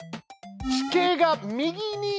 地形が右に「１０」